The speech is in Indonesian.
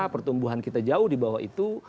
pertumbuhan kita jauh di bawah itu